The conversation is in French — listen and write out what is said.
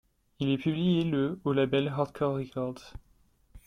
Il est publié le au label Heartcore Records.